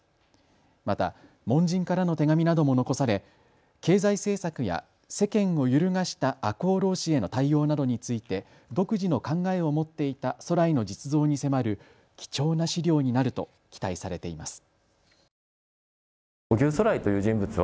また門人からの手紙なども残され経済政策や世間を揺るがした赤穂浪士への対応などについて独自の考えを持っていた徂徠の実像に迫る貴重な資料になると期待されています。